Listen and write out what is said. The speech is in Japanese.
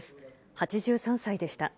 ８３歳でした。